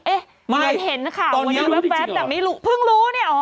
เอ๊ะมันเห็นค่ะวันนี้แบบแป๊บแป๊บแต่ไม่รู้เพิ่งรู้นี่เหรอ